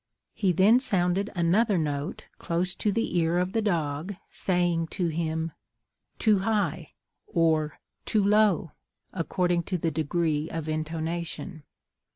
He then sounded another note close to the ear of the dog, saying to him, "Too high, or too low," according to the degree of intonation.